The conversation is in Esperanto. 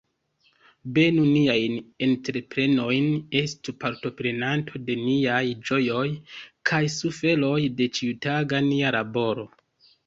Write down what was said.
Benu niajn entreprenojn, estu partoprenanto de niaj ĝojoj kaj suferoj, de ĉiutaga nia laboro.